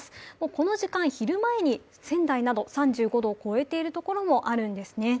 この時間、昼前に仙台など３５度を超えているところもあるんですね。